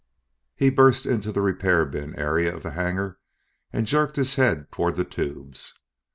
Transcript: He burst into the repair bin area of the hangar and jerked his head toward the tubes.